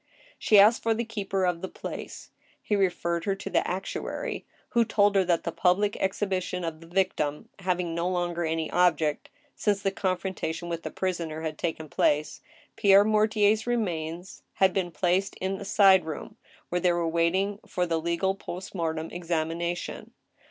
She asked for the keeper of the place ; he referred her to the actuary, who told her that the public exhibition of the victim, hav ing no longer any object, since the confrontation with the prisoner had taken place, Pierre Mortier's remains had been placed in a side room, where they were waiting for the \tgaX post mortem examina tion.